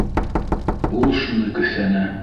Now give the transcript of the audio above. Ул шуны көҫәне.